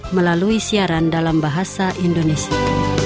melalui siaran dalam bahasa indonesia